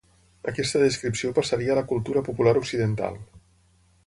Aquesta descripció passaria a la cultura popular occidental.